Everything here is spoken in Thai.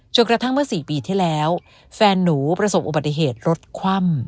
กระทั่งเมื่อ๔ปีที่แล้วแฟนหนูประสบอุบัติเหตุรถคว่ำ